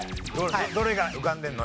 どれが浮かんでるの？